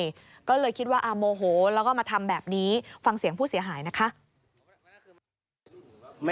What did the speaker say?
ก็เลยคิดว่าโมโหแล้วก็มาทำแบบนี้ฟังเสียงผู้เสียหายนะคะ